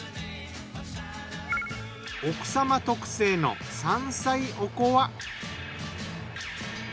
奥様特製の山菜おこわ。